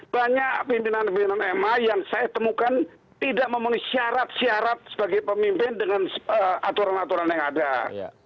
banyak pimpinan pimpinan ma yang saya temukan tidak memenuhi syarat syarat sebagai pemimpin dengan aturan aturan yang ada